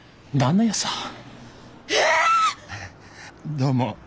どうも。